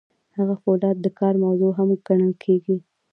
هلته فولاد د کار موضوع هم ګڼل کیږي.